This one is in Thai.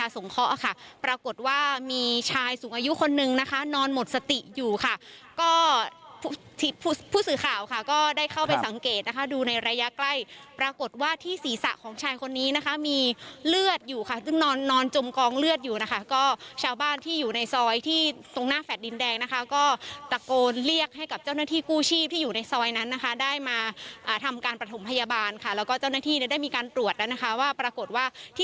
สาวค่ะก็ได้เข้าไปสังเกตนะคะดูในระยะใกล้ปรากฏว่าที่ศีรษะของชายคนนี้นะคะมีเลือดอยู่ค่ะซึ่งนอนนอนจมกองเลือดอยู่นะคะก็ชาวบ้านที่อยู่ในซอยที่ตรงหน้าแฝดดินแดงนะคะก็ตะโกนเรียกให้กับเจ้าหน้าที่กู้ชีพที่อยู่ในซอยนั้นนะคะได้มาทำการประถมพยาบาลค่ะแล้วก็เจ้าหน้าที่ได้มีการตรวจแล้วนะคะว่าปรากฏว่า